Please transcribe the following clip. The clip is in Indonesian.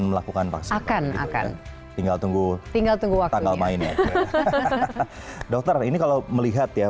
melakukan vaksin akan akan tinggal tunggu tinggal tunggu waktu mainnya dokter ini kalau melihat ya